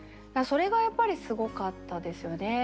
それがやっぱりすごかったですよね。